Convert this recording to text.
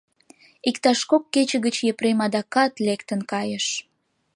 Иктаж кок кече гыч Епрем адакат лектын кайыш.